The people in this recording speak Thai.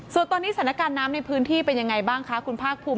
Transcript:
ส่วนตอนนี้สถานการณ์น้ำในพื้นที่เป็นยังไงบ้างคะคุณภาคภูมิ